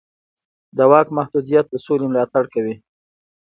د واک محدودیت د سولې ملاتړ کوي